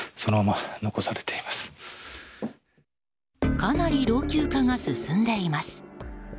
かなり老朽化が進んでいます。